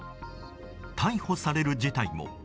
逮捕される事態も。